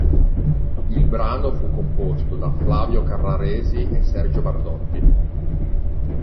Il brano fu composto da Flavio Carraresi e Sergio Bardotti.